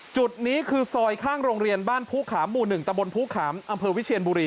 จุดนี้คือซอยข้างโรงเรียนบ้านผู้ขามหมู่๑ตะบนภูขามอำเภอวิเชียนบุรี